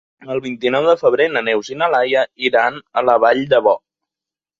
El vint-i-nou de febrer na Neus i na Laia iran a la Vall d'Ebo.